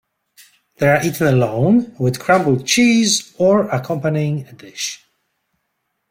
They are eaten alone, with crumbled cheese, or accompanying a dish.